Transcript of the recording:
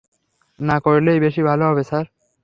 না করলেই বেশি ভালো হবে, স্যার।